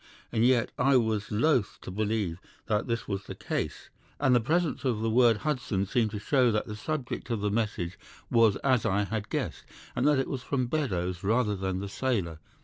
And yet I was loath to believe that this was the case, and the presence of the word 'Hudson' seemed to show that the subject of the message was as I had guessed, and that it was from Beddoes rather than the sailor.